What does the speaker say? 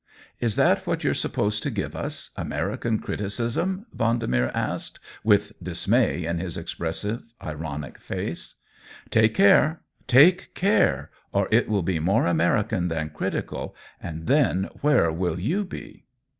" Is that what youVe supposed to give us —* American ' criticism ?'' Vendemer asked, with dismay in his expressive, ironic face. " Take care, take care, or it will be more American than critical, and then where will you be